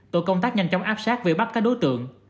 tổ công tác nhanh chóng áp sát về bắt các đối tượng